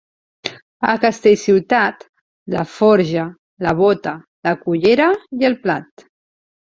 A Castellciutat, la forja, la bota, la cullera i el plat.